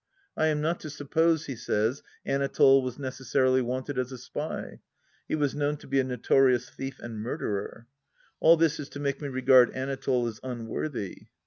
I am not to suppose, he says, Anatole was necessarily wanted as a spy ; he was known to be a notorious thief and murderer. All this is to make me regard Anatole as unworthy.